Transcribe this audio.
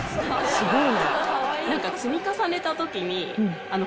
すごい。